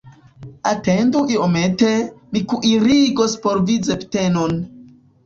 Atendu iomete, mi kuirigos por vi zbitenon!